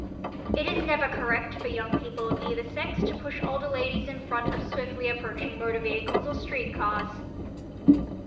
It is never correct for young people of either "sex" to push older ladies in front of swiftly approaching motor vehicles or street cars.